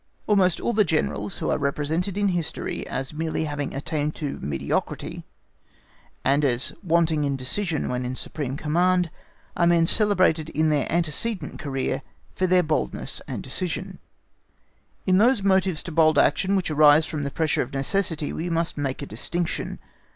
Almost all the Generals who are represented in history as merely having attained to mediocrity, and as wanting in decision when in supreme command, are men celebrated in their antecedent career for their boldness and decision.(*) (*) Beaulieu, Benedek, Bazaine, Buller, Melas, Mack. &c. &c. In those motives to bold action which arise from the pressure of necessity we must make a distinction.